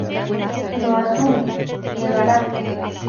Lo asume, llegará.